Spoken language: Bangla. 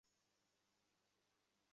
হ্যাঁ, আমি একটা কুকুর।